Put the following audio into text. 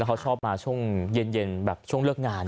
เขาชอบมาช่วงเย็นแบบช่วงเลิกงาน